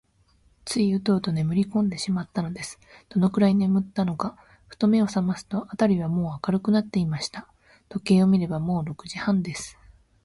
ついウトウトねむりこんでしまったのです。どのくらいねむったのか、ふと目をさますと、あたりはもう明るくなっていました。時計を見れば、もう六時半です。